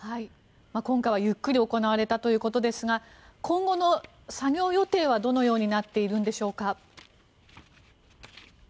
今回はゆっくり行われたということですが今後の作業予定はどのようになっているんでしょうか？